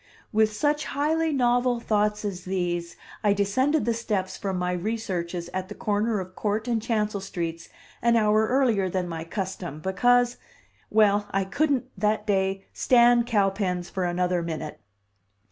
With such highly novel thoughts as these I descended the steps from my researches at the corner of Court and Chancel streets an hour earlier than my custom, because well, I couldn't, that day, stand Cowpens for another minute.